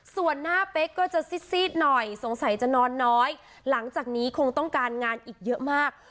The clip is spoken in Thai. ส่วนหน้าเป๊กก็จะซีดหน่อยสงสัยจะนอนน้อยหลังจากนี้คงต้องการงานอีกเยอะมาก